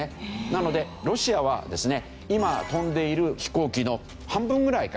なのでロシアはですね今飛んでいる飛行機の半分ぐらいかな？